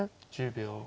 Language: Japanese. １０秒。